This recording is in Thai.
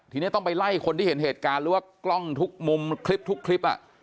ทีนี้ต้องไปไล่คนที่เห็นเหตุการณ์หรือว่ากล้องทุกมุมคลิปทุกคลิป